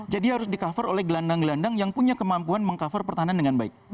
jadi harus di cover oleh gelandang gelandang yang punya kemampuan meng cover pertahanan dengan baik